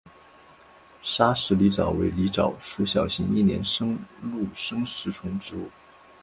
砂石狸藻为狸藻属小型一年生陆生食虫植物。